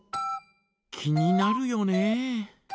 気になるよね。